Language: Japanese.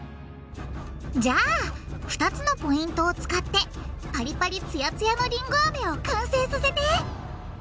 じゃあ２つのポイントを使ってパリパリつやつやのりんごアメを完成させて！